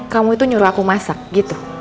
kamu itu nyuruh aku masak gitu